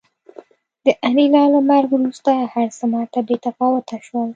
د انیلا له مرګ وروسته هرڅه ماته بې تفاوته شول